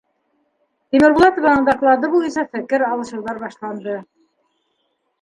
Тимербулатованың доклады буйынса фекер алышыуҙар башланды.